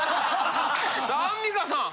さあアンミカさん。